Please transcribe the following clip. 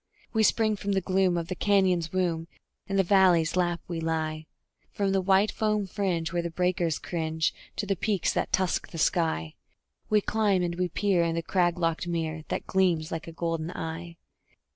We spring from the gloom of the canyon's womb; in the valley's lap we lie; From the white foam fringe, where the breakers cringe to the peaks that tusk the sky, We climb, and we peer in the crag locked mere that gleams like a golden eye.